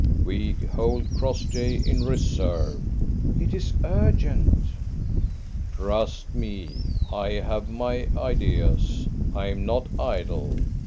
"We hold Crossjay in reserve." "It is urgent." "Trust me. I have my ideas. I am not idle.